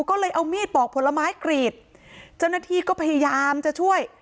ก็เลยเอามีดปอกผลไม้กรีดเจ้าหน้าที่ก็พยายามจะช่วย